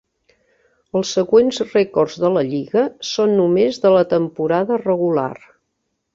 Els següents rècords de la lliga són només de la temporada regular.